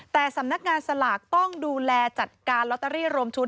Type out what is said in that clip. แต่สำนักงานสลากต้องดูแลจัดการลอตเตอรี่รวมชุด